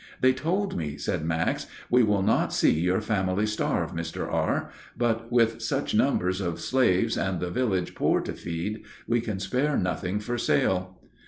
"They told me," said Max, "'We will not see your family starve, Mr. R.; but with such numbers of slaves and the village poor to feed, we can spare nothing for sale.'"